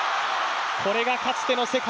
これがかつての世界